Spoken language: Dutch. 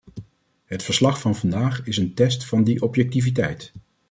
Het verslag van vandaag is een test van die objectiviteit.